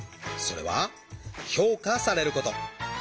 それは「評価されること」。